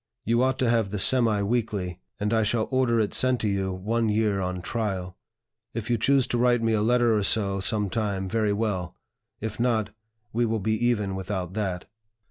You ought to have the Semi weekly, and I shall order it sent to you one year on trial; if you choose to write me a letter or so some time, very well; if not, we will be even without that.